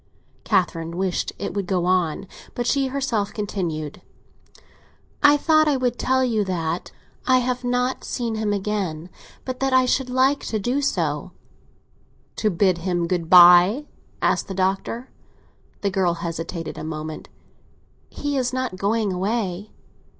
Catherine wished it would go on, but she herself continued. "I thought I would tell you that I have not seen him again, but that I should like to do so." "To bid him good bye?" asked the Doctor. The girl hesitated a moment. "He is not going away."